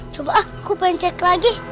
coba aku pengen cek lagi